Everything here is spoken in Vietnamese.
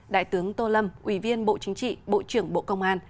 đại tướng tô lâm ủy viên bộ chính trị bộ trưởng bộ công an